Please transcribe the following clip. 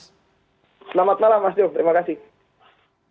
selamat malam mas jom terima kasih